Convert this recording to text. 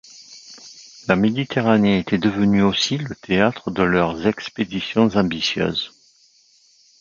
La Méditerranée était devenue aussi le théâtre de leurs expéditions ambitieuses.